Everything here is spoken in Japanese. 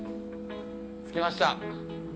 着きました。